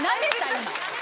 今。